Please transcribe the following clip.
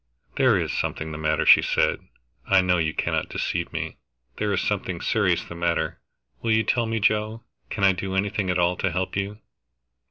"There is something the matter," she said. "I know you cannot deceive me there is something serious the matter. Will you tell me, Joe? Can I do anything at all to help you?"